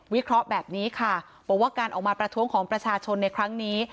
เคราะห์แบบนี้ค่ะบอกว่าการออกมาประท้วงของประชาชนในครั้งนี้